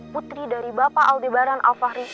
putri dari bapak aldebaran alfahri